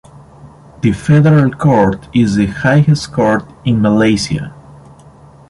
The Federal Court is the highest court in Malaysia.